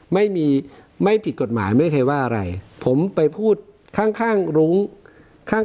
ไม่มีไม่ผิดกฎหมายไม่มีใครว่าอะไรผมไปพูดข้างรุ้ง